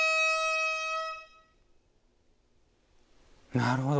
なるほど。